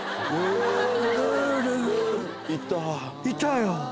いたよ。